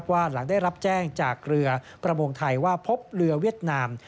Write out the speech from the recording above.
หลังได้รับแจ้งจากเรือประมงไทยว่าพบเรือเวียดนาม